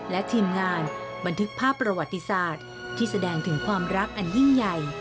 และทีมงานบันทึกภาพประวัติศาสตร์ที่แสดงถึงความรักอันยิ่งใหญ่